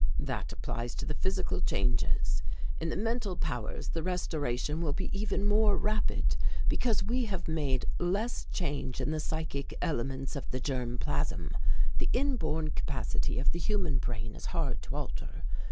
"That applies to the physical changes; in the mental powers the restoration will be even more rapid, because we have made less change in the psychic elements of the germ plasm. The inborn capacity of the human brain is hard to alter.